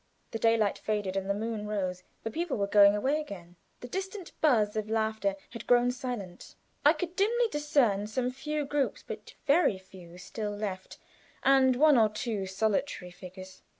The daylight faded, and the moon rose. The people were going away. The distant buzz of laughter had grown silent. I could dimly discern some few groups, but very few, still left, and one or two solitary figures.